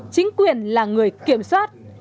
chính quyền là người kiểm soát